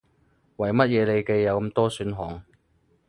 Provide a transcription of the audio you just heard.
為乜嘢你嘅有咁多選項